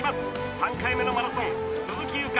３回目のマラソン、鈴木優花